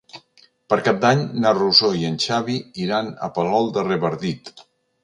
Per Cap d'Any na Rosó i en Xavi iran a Palol de Revardit.